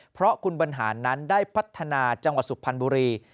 เพราะคุณบรรหารนั้นได้พัฒนาจังหวัดสุพรรณบุรี